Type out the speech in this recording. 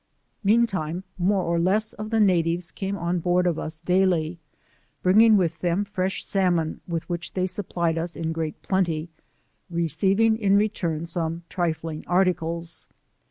Meantime more or less of the natives came ojj board of us daily, bringing with them fresh salmon with which they supplied us in great plenty, re ceiving in return some trifling articles.